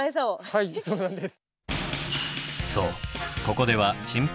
はいそうなんです。